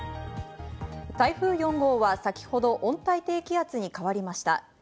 台風４号は先ほど温帯低気圧に変わりました。